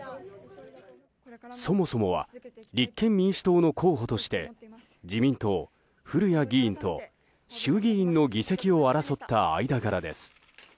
そもそもは立憲民主党の候補として自民党、古屋議員と衆議院の議席を争った間柄です。